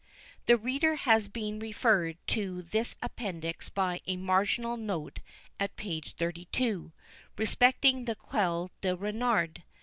The reader has been referred to this Appendix by a marginal note at page 32, respecting the Queue de Renard.